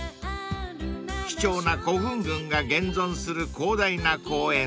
［貴重な古墳群が現存する広大な公園